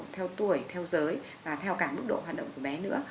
theo tuổi theo giới và theo cả mức độ hoạt động của bé nữa